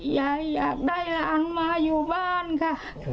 อยากได้หลานมาอยู่บ้านค่ะ